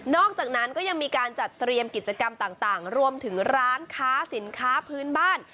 อกจากนั้นก็ยังมีการจัดเตรียมกิจกรรมต่างรวมถึงร้านค้าสินค้าพื้นบ้าน